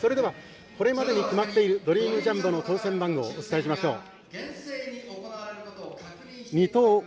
これまでに決まっているドリームジャンボの当せん番号お伝えしましょう。